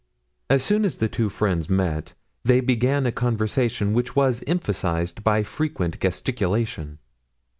As soon as the two friends met they began a conversation which was emphasized by frequent gesticulation.